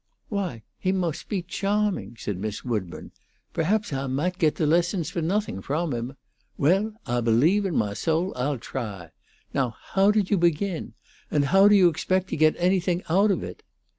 "Why, he most be chomming," said Miss Woodburn. "Perhaps Ah maght get the lessons for nothing from him. Well, Ah believe in my soul Ah'll trah. Now ho' did you begin? and ho' do you expect to get anything oat of it?"